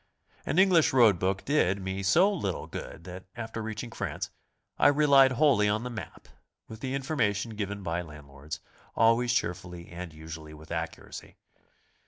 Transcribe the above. An English road book did me so little good that after reaching France I relied wholly on the map, with the information given by landlords, always cheerfully BICYCLE TOURING. 105 and usually with accuracy.